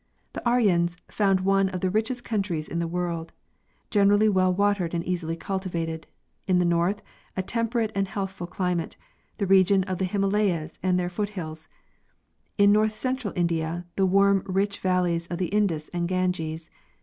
The Aryans found one of the richest countries in the world, generally well watered and easily cultivated : in the north, a tem . perate and healthful climate, the region of the Himalayas and their foot hills ; in northern central India, the warm, rich valleys of the Indus and Ganges.